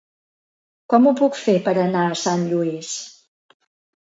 Com ho puc fer per anar a Sant Lluís?